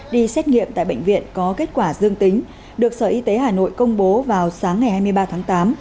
đi xét nghiệm tại bệnh viện có kết quả dương tính được sở y tế hà nội công bố vào sáng ngày hai mươi ba tháng tám